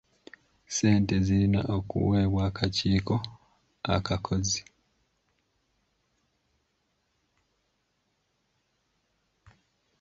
Ssente zirina okuweebwa akakiiko akakozi..